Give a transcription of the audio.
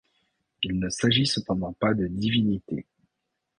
Il ne s’agit cependant pas de divinités.